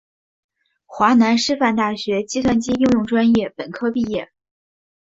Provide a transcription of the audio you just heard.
华南师范大学计算机应用专业本科毕业。